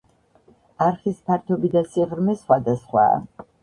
არხის ფართობი და სიღრმე სხვადასხვაა.